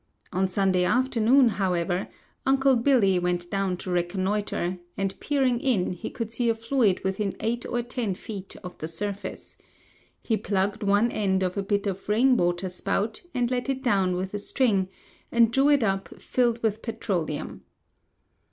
On Sunday afternoon, however, 'Uncle Billy' went down to reconnoiter, and peering in he could see a fluid within eight or ten feet of the surface. He plugged one end of a bit of rain water spout and let it down with a string, and drew it up filled with petroleum.